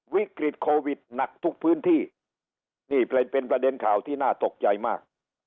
วิกฤตโควิดหนักทุกพื้นที่นี่เป็นประเด็นข่าวที่น่าตกใจมาก